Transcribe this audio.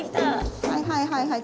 はいはいはいはい。